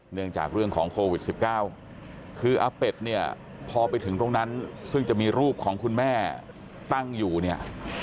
เรื่องของโควิด๑๙คืออาเป็ดเนี่ยพอไปถึงตรงนั้นซึ่งจะมีรูปของคุณแม่ตั้งอยู่เนี่ย